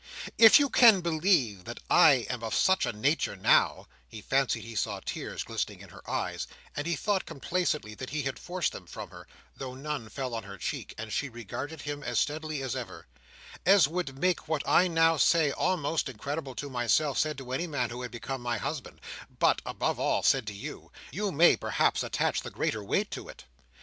"If you can believe that I am of such a nature now,"—he fancied he saw tears glistening in her eyes, and he thought, complacently, that he had forced them from her, though none fell on her cheek, and she regarded him as steadily as ever,—"as would make what I now say almost incredible to myself, said to any man who had become my husband, but, above all, said to you, you may, perhaps, attach the greater weight to it.